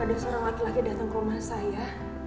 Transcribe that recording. ada seorang laki laki datang ke rumah saya